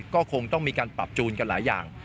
ก็คงต้องมีการปรับจูนกันหลายอย่าง